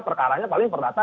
perkaranya paling perdata